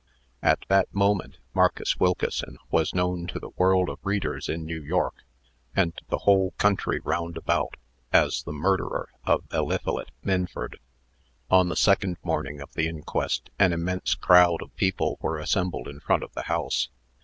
At that moment, Marcus Wilkeson was known to the world of readers in New York and the whole country round about, as the murderer of Eliphalet Minford. On the second morning of the inquest an immense crowd of people were assembled in front of the house.